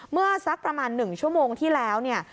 สักประมาณ๑ชั่วโมงที่แล้วเนี่ย